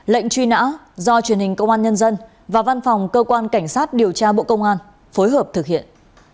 lệnh truy nã do truyền hình công an nhân dân và văn phòng cơ quan cảnh sát điều tra bộ công an phối hợp thực hiện